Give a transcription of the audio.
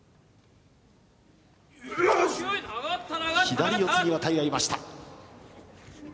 左四つに渡り合いました。